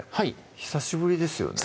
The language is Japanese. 久しぶりですよね